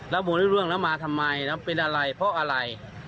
แล้วมูลที่ร่วงแล้วมาทำไมแล้วเป็นอะไรเพราะอะไร